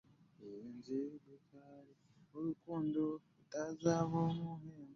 Buli kisenge ky’otuukamu osuulamu ensimbi era n’osaba by’oyagala.